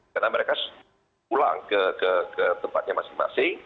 karena mereka pulang ke tempatnya masing masing